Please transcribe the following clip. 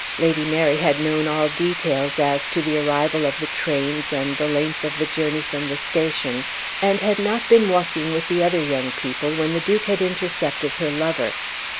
Lady Mary had known all details, as to the arrival of the trains and the length of the journey from the station, and had not been walking with the other young people when the Duke had intercepted her lover.